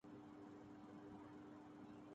عام طور پر نظر نہیں آتے